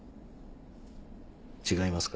違いますか？